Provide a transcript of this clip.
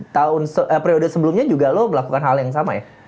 tahun periode sebelumnya juga lo melakukan hal yang sama ya